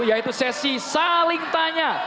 yaitu sesi saling tanya